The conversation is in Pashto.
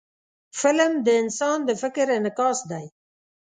فلم د انسان د فکر انعکاس دی